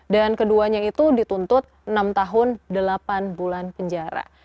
dan keduanya itu dituntut enam tahun delapan bulan penjara